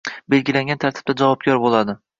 belgilangan tartibda javobgar bo‘ladi.